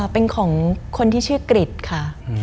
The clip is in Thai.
เป็นของคนที่ชื่อกริจค่ะ